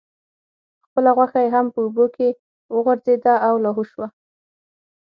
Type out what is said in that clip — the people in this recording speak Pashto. خپله غوښه یې هم په اوبو کې وغورځیده او لاهو شوه.